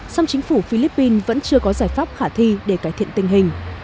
song chính phủ philippines vẫn chưa có giải pháp khả thi để cải thiện tình hình